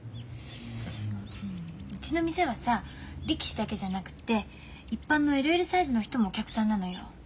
うんうちの店はさ力士だけじゃなくって一般のＬＬサイズの人もお客さんなのよ。